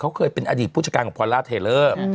เขาเคยเป็นอดีตผู้จัดการของพอลล่าเทเลอร์